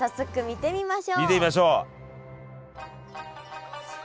見てみましょう。